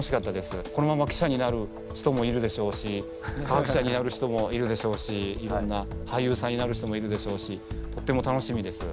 このまま記者になる人もいるでしょうし科学者になる人もいるでしょうし俳優さんになる人もいるでしょうしとっても楽しみです。